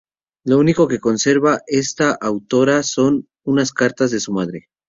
Lo único que se conserva de esta autora son unas cartas a su madre.